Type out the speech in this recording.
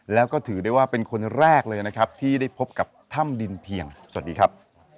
แล้วก็ถือได้ว่าเป็นคนแรกเลยนะครับที่ได้พบกับถ้ำดินเพียงสวัสดีครับ